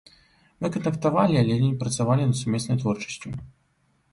Мы кантактавалі, але не працавалі над сумеснай творчасцю.